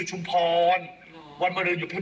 จริงปะเนี่ยจริง